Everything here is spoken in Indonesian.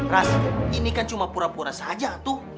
ras ini kan cuma pura pura saja tuh